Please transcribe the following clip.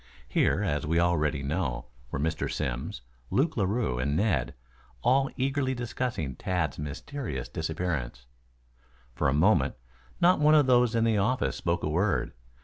Here, as we already know, were Mr. Simms, Luke Larue and Ned, all eagerly discussing Tad's mysterious disappearance. For a moment not one of those in the office spoke a word.